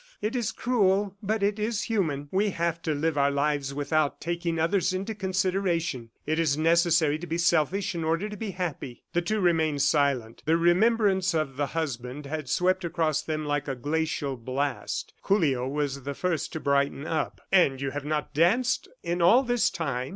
It is cruel but it is human. We have to live our lives without taking others into consideration. It is necessary to be selfish in order to be happy." The two remained silent. The remembrance of the husband had swept across them like a glacial blast. Julio was the first to brighten up. "And you have not danced in all this time?"